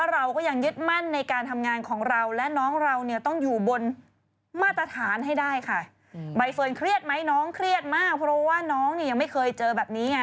เรายังมียานอวกาศทำไมโลกอื่นเขาจะมีไม่ได้